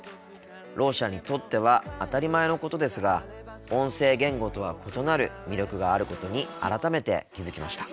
ろう者にとっては当たり前のことですが音声言語とは異なる魅力があることに改めて気付きました。